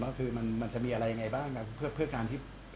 ว่าคือมันมันจะมีอะไรยังไงบ้างครับเพื่อเพื่อการที่